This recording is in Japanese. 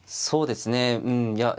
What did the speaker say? そうですねうんいや